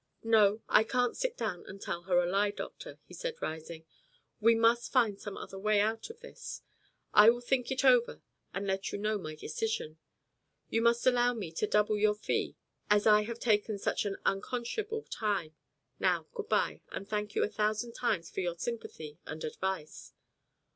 "No, I can't sit down and tell her a lie, doctor," he said rising. "We must find some other way out of this. I will think it over and let you know my decision. You must allow me to double your fee as I have taken such an unconscionable time. Now good bye, and thank you a thousand times for your sympathy and advice."